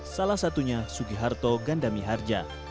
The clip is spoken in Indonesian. salah satunya sugiharto gandami harja